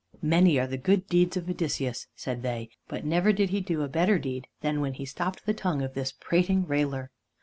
"Many are the good deeds of Odysseus," said they, "but never did he do a better deed than when he stopped the tongue of this prating railer."